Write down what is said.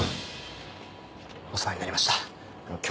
お世話になりました今日で。